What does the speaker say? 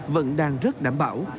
vẫn đang rất đảm bảo